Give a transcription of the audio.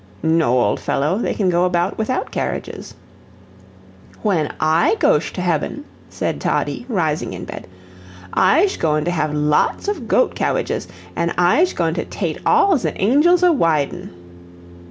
"No, old fellow they can go about without carriages." "When I goesh to hebben," said Toddie, rising in bed, "Izhe goin' to have lots of goat cawidjes an' Izhe goin' to tate all ze andjels a widen."